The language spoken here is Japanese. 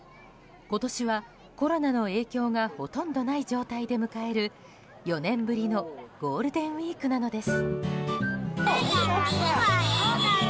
今年はコロナの影響がほとんどない状態で迎える４年ぶりのゴールデンウィークなのです。